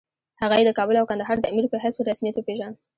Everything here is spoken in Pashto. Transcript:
هغه یې د کابل او کندهار د امیر په حیث په رسمیت وپېژاند.